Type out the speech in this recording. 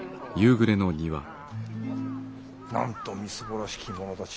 なんとみすぼらしき者たち